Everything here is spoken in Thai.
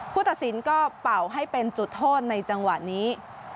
ตัดสินก็เป่าให้เป็นจุดโทษในจังหวะนี้